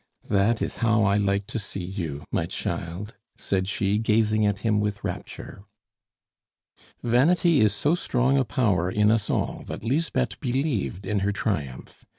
"That is how I like to see you, my child," said she, gazing at him with rapture. Vanity is so strong a power in us all that Lisbeth believed in her triumph.